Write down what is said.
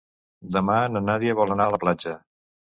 Demà na Nàdia vol anar a la platja.